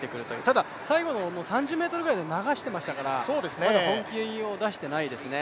ただ、最後の３０ｍぐらいで流していましたからまだ本気を出していないですね。